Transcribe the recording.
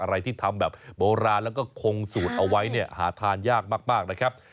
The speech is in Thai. อะไรที่ทำแบบโบราณแล้วก็คงสูตรเอาไว้เนี่ยหาทานยากมากนะครับ